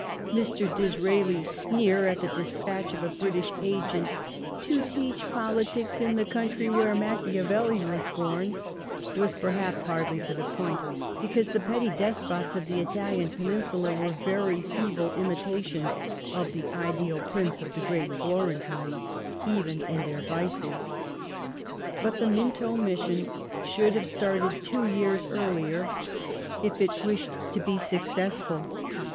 Mr. DisraeliV sneer at the despatch of a British agent " to teach poli tics in the country where Machiavelli was born/' waa perhaps hardly to the point, because the petty despots of the Italian Peninsula were very feeble imitations of the ideal Prince of the great Florentine, even in their vices. But the Minto mission should have started two years earlier, if it wished to be successful.